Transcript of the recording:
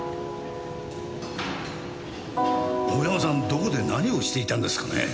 大山さんどこで何をしていたんですかね？